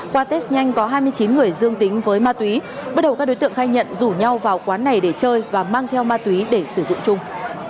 qua test nhanh có hai mươi chín người dương tính với ma túy bắt đầu các đối tượng khai nhận rủ nhau vào quán này để chơi và mang theo ma túy để sử dụng chung